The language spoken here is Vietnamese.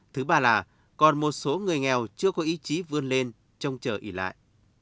thứ ba là còn một số người nghèo chưa có ý chí vươn lên trong chờ ý lại